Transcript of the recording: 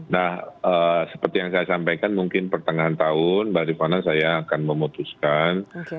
nah seperti yang saya sampaikan mungkin pertengahan tahun mbak rifana saya akan memutuskan